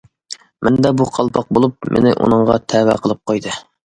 مەندە بۇ قالپاق بولۇپ، مېنى ئۇنىڭغا تەۋە قىلىپ قويدى.